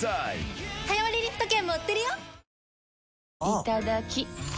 いただきっ！